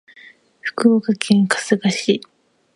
福岡県春日市